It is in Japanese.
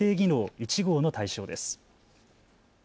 １号の対象です。